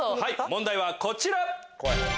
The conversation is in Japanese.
問題はこちら。